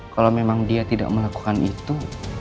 kalau memang dia tidak melakukan itu